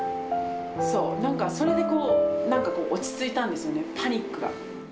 そう、なんかそれでこう、なんか落ち着いたんですよね、パニックが。